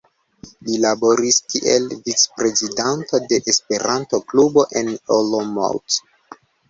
Li laboris kiel vicprezidanto de Esperanto-klubo en Olomouc.